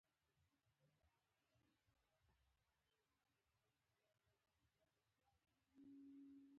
احمد په کاروبار کې له علي څخه بغل خالي کړ.